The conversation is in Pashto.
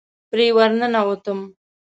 پرې ورننوتم.